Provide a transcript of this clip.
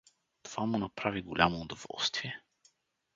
Това му направи голямо удоволствие.